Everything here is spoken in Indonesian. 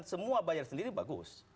semua bayar sendiri bagus